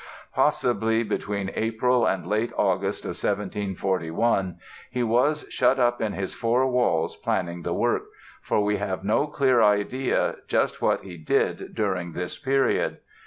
Possibly between April and late August of 1741 he was shut up in his four walls planning the work, for we have no clear idea just what he did during this period.